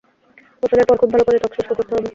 গোসলের পর খুব ভালো করে ত্বক শুষ্ক করতে হবে।